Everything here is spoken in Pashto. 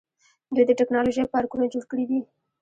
دوی د ټیکنالوژۍ پارکونه جوړ کړي دي.